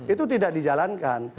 itu tidak dijalankan